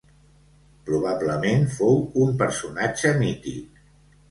Probablement fou un personatge mític.